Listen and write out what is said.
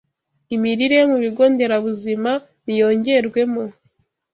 Imirire yo mu Bigo Nderabuzima niyongerwemo